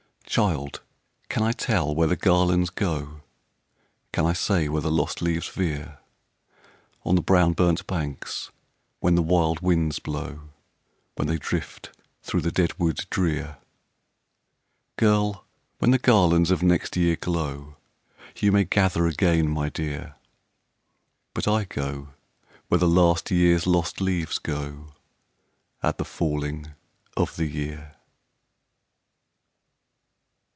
"Child! can I tell where the garlands go? Can I say where the lost leaves veer On the brown burnt banks, when the wild winds blow, When they drift through the dead wood drear? Girl! when the garlands of next year glow, YOU may gather again, my dear But I go where the last year's lost leaves go At the falling of the year."